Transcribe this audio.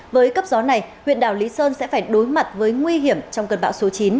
với cấp gió này huyện đảo lý sơn sẽ phải đối mặt với nguy hiểm trong cơn bão số chín